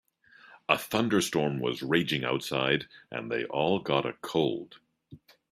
A thunderstorm was raging outside and they all got a cold.